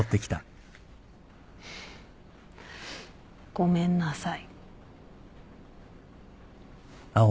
ごめんなさい。